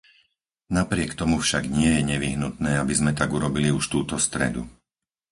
Napriek tomu však nie je nevyhnutné, aby sme tak urobili už túto stredu.